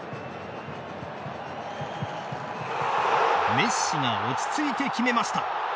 メッシが落ち着いて決めました。